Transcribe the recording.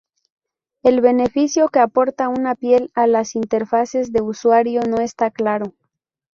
El beneficio que aporta una piel a las interfaces de usuario no está claro.